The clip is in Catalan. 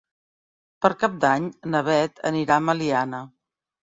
Per Cap d'Any na Bet anirà a Meliana.